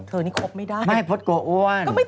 เธอนี่ขบไม่ได้งั้นไม่ต้องพล็อทโกรธอ้วน